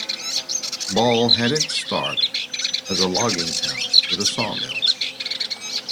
Ball had its start as a logging town with a sawmill.